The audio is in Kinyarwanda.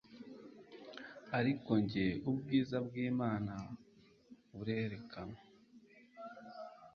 ariko njye-ubwiza bw'imana burerekuwe